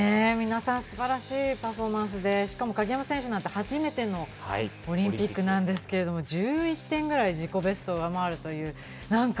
皆さん、素晴らしいパフォーマンスで鍵山選手なんて初めてのオリンピックなんですけど、１１点ぐらい自己ベストを上回るという。